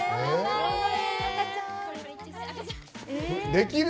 できる？